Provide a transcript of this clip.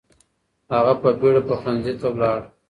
هغه په بیړه پخلنځي ته لاړ.